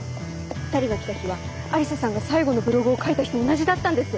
２人が来た日は愛理沙さんが最後のブログを書いた日と同じだったんです。